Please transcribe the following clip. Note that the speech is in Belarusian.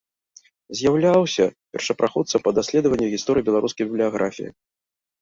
З'яўляўся першапраходцам па даследаванні гісторыі беларускай бібліяграфіі.